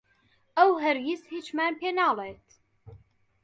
ئەو هەرگیز هیچمان پێ ناڵێت.